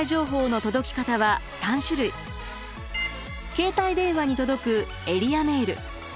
携帯電話に届くエリアメール。